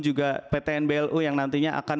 juga ptnblu yang nantinya akan